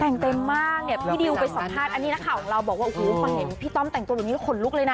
แต่งเต็มมากพี่ดิวไปสัมภาษณ์ของเราบอกว่าพี่ต้อมแต่งตัวแบบนี้ก็ขนลุกเลยนะ